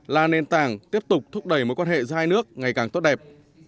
là nền tảng tiếp tục thúc đẩy mối quan hệ giữa hai nước ngày càng tốt đẹp